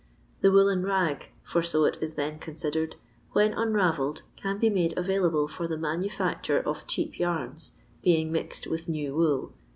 The woollen rag, for' so it is then considered, when unravelled can be made available for the mauu&cture of chetip yarns, being mixed with new wool.